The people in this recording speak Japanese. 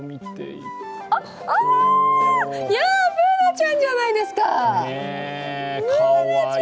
Ｂｏｏｎａちゃんじゃないですか！